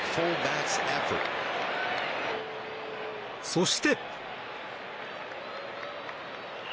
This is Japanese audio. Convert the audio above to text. そして。